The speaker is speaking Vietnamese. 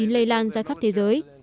lây lan ra khắp thế giới